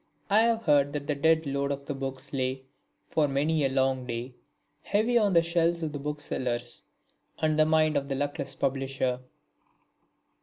I have heard that the dead load of the books lay, for many a long day, heavy on the shelves of the booksellers and the mind of the luckless publisher.